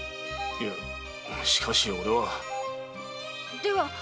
いやしかし俺は。